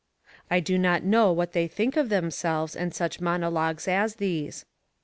I do not know what they think of themselves and such monologues as these.